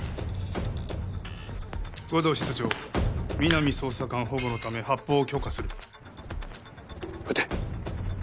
護道室長皆実捜査官保護のため発砲を許可する撃て！